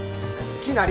きなり。